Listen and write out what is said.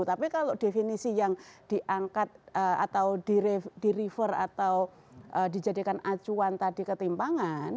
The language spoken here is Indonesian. tapi kalau definisi yang diangkat atau di refer atau dijadikan acuan tadi ketimpangan